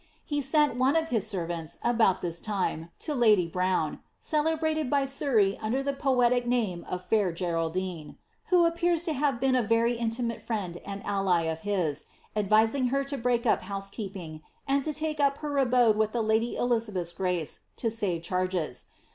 He sent one of his servants, about this time^ to lady Brown (cele* biated by Surrey under the poetic name of Fair Geraldine) who appears (0 bare been a very intimate friend and ally of his, advising her to break sp housekeeping, and to take up her abode with the lady Elizabeth's pare to save chaires.